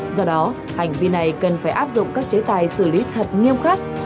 do đó hành vi này cần phải áp dụng các chế tài xử lý thật nghiêm khắc